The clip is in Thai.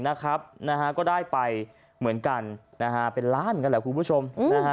เป็นล้านกันแหละครูผู้ชม